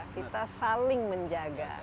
kita saling menjaga